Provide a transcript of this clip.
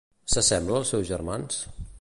S'assembla als seus germans?